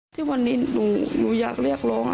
ที่วันนี้หนูอยากเรียกร้อง